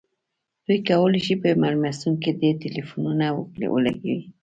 دوی کولی شي په میلمستون کې ډیر ټیلیفونونه ولګوي